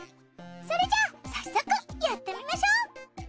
それじゃあ早速やってみましょう！